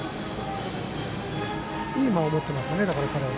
いい間を持ってますね、彼は。